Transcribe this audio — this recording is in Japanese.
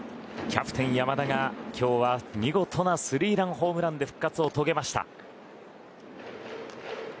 キャプテン山田が今日は見事なスリーランホームランで復活を遂げました。